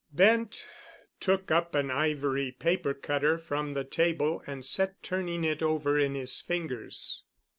Bent took up an ivory paper cutter from the table and sat turning it over in his fingers.